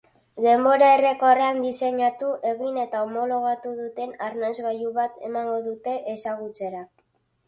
Denbora errekorrean diseinatu, egin eta homologatu duten arnasgailu bat emango dute ezagutzera.